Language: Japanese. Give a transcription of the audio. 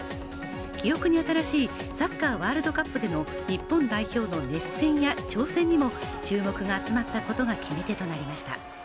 記憶に新しいサッカーワールドカップでの日本代表の熱戦や挑戦にも注目が集まったことが決め手となりました。